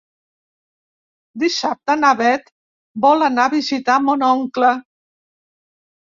Dissabte na Bet vol anar a visitar mon oncle.